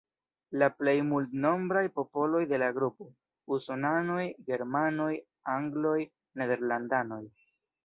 La plej multnombraj popoloj de la grupo: Usonanoj, Germanoj, Angloj, Nederlandanoj.